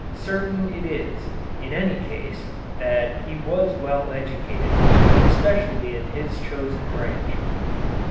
Certain it is, in any case, that he was well educated, especially in his chosen branch.